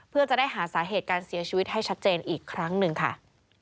เพื่อจะได้หาสาเหตุการเสียชีวิตให้ชัดเจนอีกครั้งหนึ่งค่ะ